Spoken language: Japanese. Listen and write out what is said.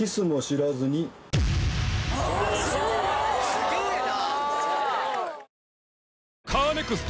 すげえな。